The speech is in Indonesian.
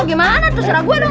gimana tuh secara gue dong